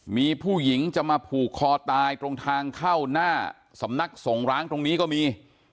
มีผู้หญิงจะมาผูกคอตายตรงทางเข้าหน้าสำนักส่งร้างตรงนี้ก็มี